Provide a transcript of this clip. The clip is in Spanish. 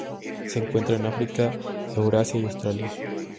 Se encuentra en África, Eurasia y Australia.